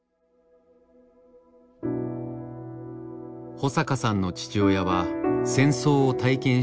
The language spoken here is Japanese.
保阪さんの父親は戦争を体験した世代でした。